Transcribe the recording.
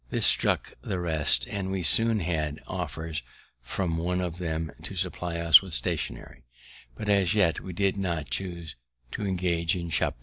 This struck the rest, and we soon after had offers from one of them to supply us with stationery; but as yet we did not chuse to engage in shop business.